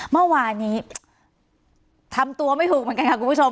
เมื่อวานนี้ทำตัวไม่ถูกเหมือนกันค่ะคุณผู้ชม